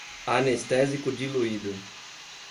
anestésico diluído